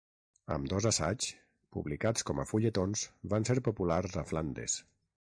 Ambdós assaigs, publicats com a fulletons, van ser populars a Flandes.